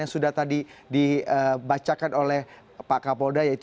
yang sudah tadi dibacakan oleh pak kapolda yaitu delapan dua satu satu lima enam tujuh enam delapan lima enam